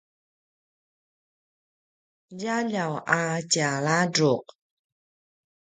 djaljaw a tjaladruq